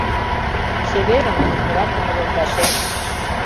Чеверын, йӧратыме йолташем.